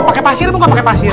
pakai pasir apa gak pakai pasir